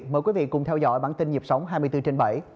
mời quý vị cùng theo dõi bản tin nhịp sống hai mươi bốn trên bảy